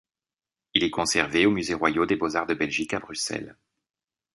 Il est conservé au musées royaux des beaux-arts de Belgique à Bruxelles.